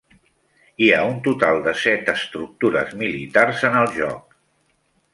Hi ha un total de set estructures militars en el joc.